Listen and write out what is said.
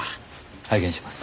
拝見します。